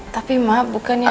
tapi ma bukannya